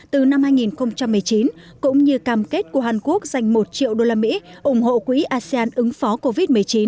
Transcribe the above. từ năm hai nghìn một mươi chín cũng như cam kết của hàn quốc dành một triệu usd ủng hộ quỹ asean ứng phó covid một mươi chín